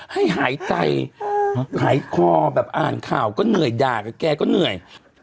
ให้หายใจหายคอแบบอ่านข่าวก็เหนื่อยด่ากับแกก็เหนื่อย